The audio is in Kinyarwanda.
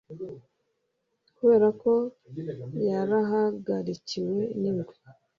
kubera ko yarahagarikiwe n'ingwe